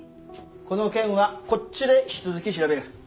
この件はこっちで引き続き調べる。